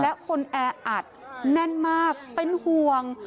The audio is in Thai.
และคนแออัดแน่นมากเป็นห่วง